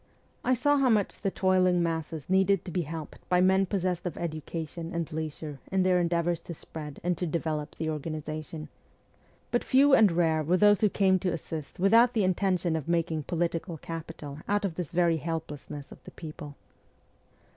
I saw how much the toiling masses needed to be helped by men possessed of education and leisure in their endeavours to spread and to develop the FIRST JOURNEY ABROAD 63 organization ; but few and rare were those who came to assist without the intention of making political capital out of this very helplessness of the people